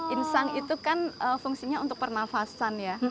insang itu kan fungsinya untuk pernafasan ya